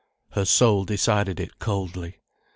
Her soul decided it coldly.